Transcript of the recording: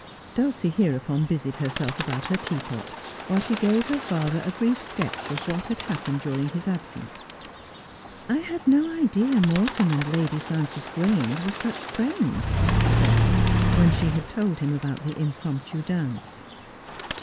Dulcie hereupon busied herself about her teapot, while she gave her father a brief sketch of what had happened during his absence. ' I had no idea Morton and Lady Frances Grange were such friends,' she said, when she had told him about the impromptu dance.